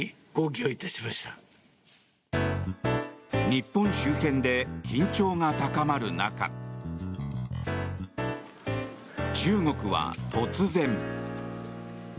日本周辺で緊張が高まる中中国は突然。